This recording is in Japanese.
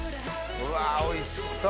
うわおいしそう！